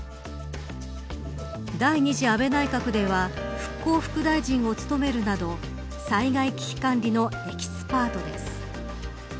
第２次安倍内閣では復興副大臣を務めるなど災害危機管理のエキスパートです。